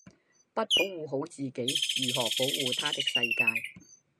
不保護好自己如何保護她的世界